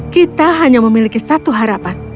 kita hanya memiliki satu harapan